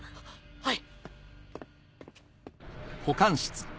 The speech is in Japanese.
はい！